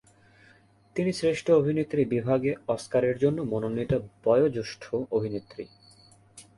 তিনি শ্রেষ্ঠ অভিনেত্রী বিভাগে অস্কারের জন্য মনোনীত বয়োজ্যেষ্ঠ অভিনেত্রী।